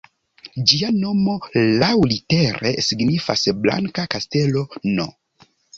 Ĝia nomo laŭlitere signifas "Blanka Kastelo"-n.